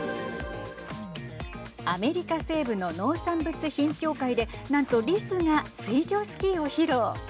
アメリカ西部の農産物品評会でなんとりすが水上スキーを披露。